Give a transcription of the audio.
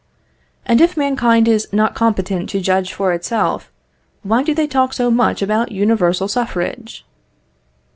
And if mankind is not competent to judge for itself, why do they talk so much about universal suffrage?